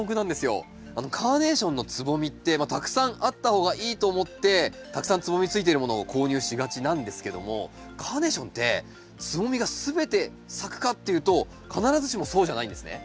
カーネーションのつぼみってたくさんあった方がいいと思ってたくさんつぼみついてるものを購入しがちなんですけどもカーネーションってつぼみが全て咲くかっていうと必ずしもそうじゃないんですね。